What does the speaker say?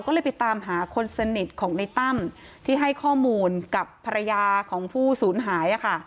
ก็เลยไปตามหาคนสนิทของในตั้มที่ให้ข้อมูลกับภรรยาของผู้สูญหาย